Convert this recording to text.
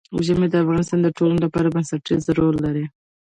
ژمی د افغانستان د ټولنې لپاره بنسټيز رول لري.